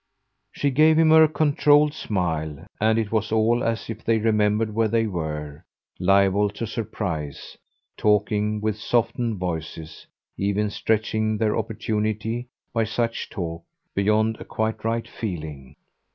She gave him her controlled smile, and it was all as if they remembered where they were, liable to surprise, talking with softened voices, even stretching their opportunity, by such talk, beyond a quite right feeling.